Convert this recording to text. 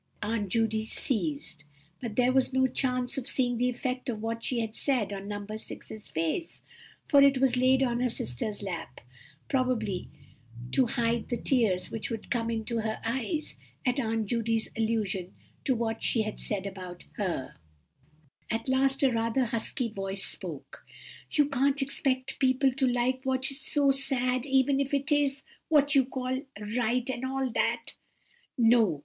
Aunt Judy ceased, but there was no chance of seeing the effect of what she had said on No. 6's face, for it was laid on her sister's lap; probably to hide the tears which would come into her eyes at Aunt Judy's allusion to what she had said about her. At last a rather husky voice spoke:— "You can't expect people to like what is so very sad, even if it is—what you call—right—and all that." "No!